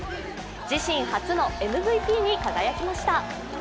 自身初のＭＶＰに輝きました。